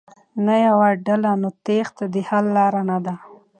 نه يوه ډله ،نو تېښته د حل لاره نه ده.